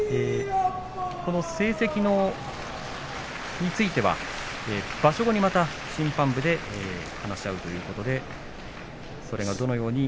この成績については場所後にまた審判部で話し合うということで難しいよね。